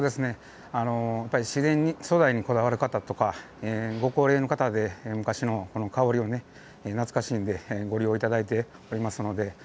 やっぱり、自然素材にこだわる方とかご高齢の方で昔の香りが懐かしいという方にご利用いただいております。